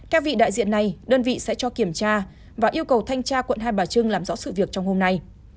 các vị đại diện này đơn vị sẽ cho kiểm tra và yêu cầu thanh tra quận hai bà trưng làm rõ sự việc trong hôm nay